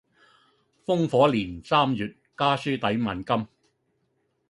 烽火連三月，家書抵萬金